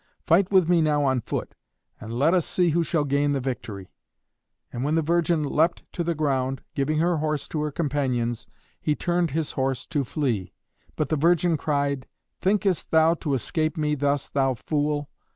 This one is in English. Fight with me now on foot, and let us see who shall gain the victory." And when the virgin leapt to the ground, giving her horse to her companions, he turned his horse to flee. But the virgin cried, "Thinkest thou to escape me thus, thou fool?